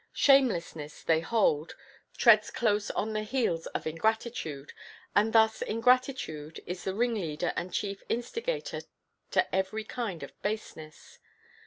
Shamelessness, they hold, treads close on the heels of ingratitude, and thus ingratitude is the ringleader and chief instigator to every kind of baseness.